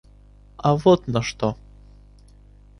А вот на что.